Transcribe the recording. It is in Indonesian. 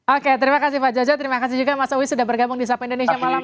oke terima kasih pak jojo terima kasih juga mas awi sudah bergabung di sapa indonesia malam ini